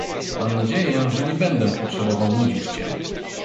"Mam nadzieję, że nie będę potrzebował nudzić cię."